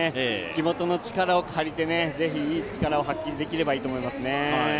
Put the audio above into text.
地元の力を借りてぜひいい力を発揮できればいいと思いますね。